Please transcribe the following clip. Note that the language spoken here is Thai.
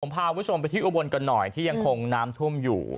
พาคุณผู้ชมไปที่อุบลกันหน่อยที่ยังคงน้ำท่วมอยู่